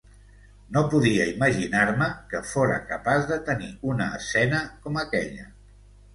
No podia imaginar-me que fóra capaç de tenir una escena com aquella.